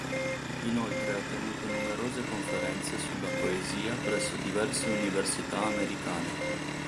Inoltre ha tenuto numerose conferenze sulla poesia presso diverse università americane.